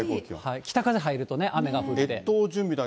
北風入るとね、雨が降って。